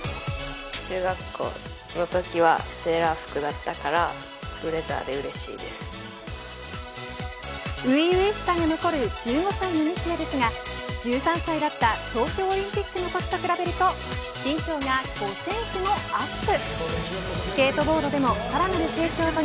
中学校のときはセーラー服だったから初々しさが残る１５歳の西矢ですが１３歳だった東京オリンピックのときと比べると身長が５センチもアップ。